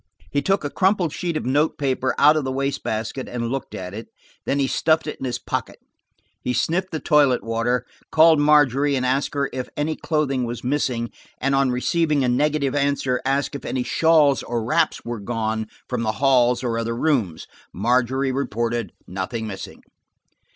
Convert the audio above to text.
He took a crumpled sheet of note paper out of the waste basket and looked at it, then he stuffed it in his pocket. He sniffed the toilet water, called Margery and asked her if any clothing was missing, and on receiving a negative answer asked if any shawls or wraps were gone from the halls or other rooms. Margery reported nothing missing.